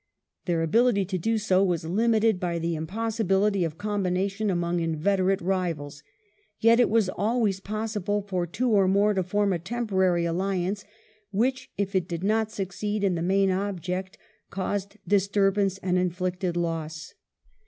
Their ability to do so was limited by the impossibility of combination among inveterate rivals ; yet it was always possible for two or more to form a temporary alliance which, if it did not succeed in the main object, caused disturbance and inflicted loss.